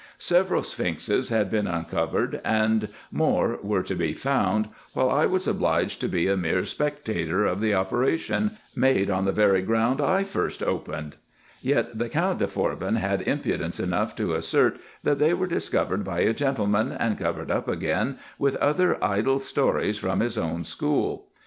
Several Sphinxes had been uncovered, and more were to be found, while I was obliged to be a mere spec tator of the operation, made on the very ground I first opened. Yet the Count de Forbin had impudence enough to assert, that they were discovered by a gentleman, and covered up again, with other idle stories from his own school.